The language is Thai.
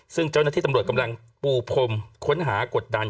ซึ่งเจ้าหน้าที่ตำรวจกำลังปูพรมค้นหากดดัน